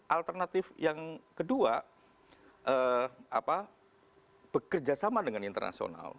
alternatif yang kedua bekerja sama dengan internasional